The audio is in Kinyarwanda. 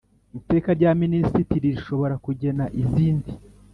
Iteka rya Minisitiri rishobora kugena izindi